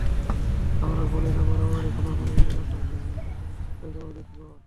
আমরা বলি না, মারামারি, খুনোখুনি, ব্যালট বাক্স ছিনতাই করে ক্ষমতায় যাব, জিতব।